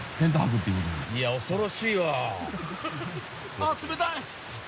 あ冷たい。